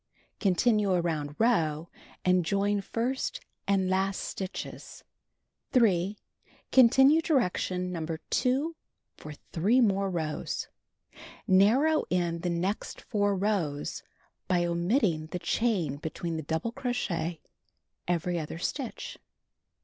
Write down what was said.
Continue around row and join first and last stitches. 3. Continue direction No. 2 for 3 more rows. Narrow in the next 4 rows by omitting the chain between the double crochet every other stitch.